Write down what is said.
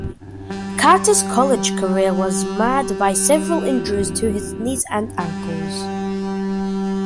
Carter's college career was marred by several injuries to his knees and ankles.